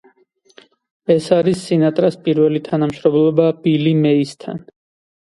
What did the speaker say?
ეს არის სინატრას პირველი თანამშრომლობა ბილი მეისთან.